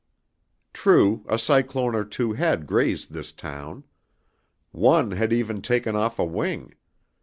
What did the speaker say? True, a cyclone or two had grazed this town. One had even taken off a wing.